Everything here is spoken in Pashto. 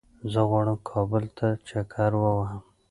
زه غواړم کابل ته چکر ووهم